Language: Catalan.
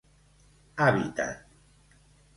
Hàbitat: